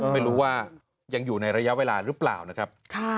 ไม่รู้ว่ายังอยู่ในระยะเวลาหรือเปล่านะครับ